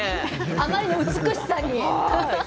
あまりの美しさに。